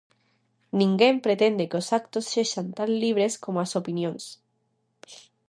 Ninguén pretende que os actos sexan tan libres como as opinións.